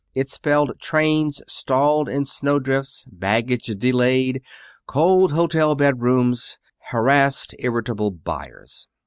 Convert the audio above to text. It spelled trains stalled in snowdrifts, baggage delayed, cold hotel bedrooms, harassed, irritable buyers.